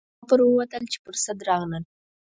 ټول چپه پر ووتل چې پر سد راغلل.